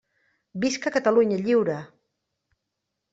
Visca Catalunya lliure!